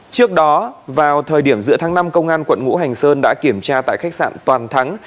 trước đó vào thời điểm giữa tháng năm công an tp đà nẵng đã kiểm tra tại khách sạn toàn thắng